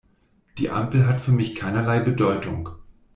Die Ampel hat für mich keinerlei Bedeutung.